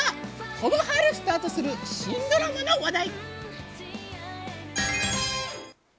さぁ続いては、この春スタートする新ドラマの話題！